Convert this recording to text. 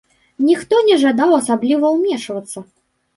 Ніхто не жадаў асабліва ўмешвацца.